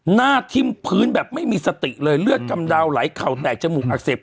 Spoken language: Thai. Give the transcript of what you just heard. หน้าทิ้มพื้นแบบไม่มีสติเลยเลือดกำดาวไหลเข่าแตกจมูกอักเสบ